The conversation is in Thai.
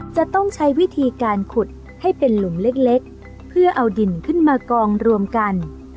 จะต้องใช้วิธีการขุดให้เป็นหลุมเล็กเพื่อเอาดินขึ้นมากองรวมกัน